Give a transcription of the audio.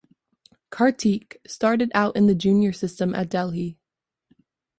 Kartik started out in the junior system at Delhi.